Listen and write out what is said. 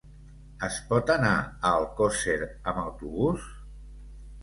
Es pot anar a Alcosser amb autobús?